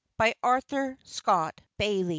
By ARTHUR SCOTT BAILEY AUTH